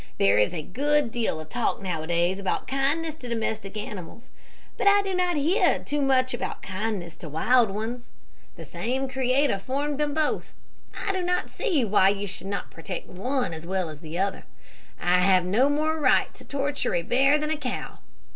There is a good deal of talk nowadays about kindness to domestic animals; but I do not hear much about kindness to wild ones. The same Creator formed them both. I do not see why you should not protect one as well as the other. I have no more right to torture a bear than a cow.